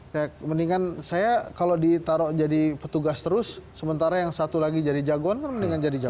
ya mendingan saya kalau ditaruh jadi petugas terus sementara yang satu lagi jadi jagoan kan mendingan jadi jago